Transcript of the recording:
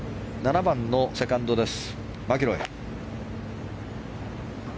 ７番のセカンド、マキロイ。